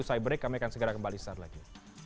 setelah break kami akan kembali